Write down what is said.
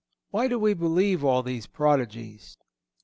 Why do we believe all these prodigies?